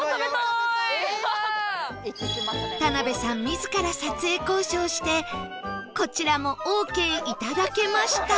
自ら撮影交渉してこちらもオーケーいただけました